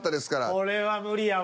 これは無理やわ。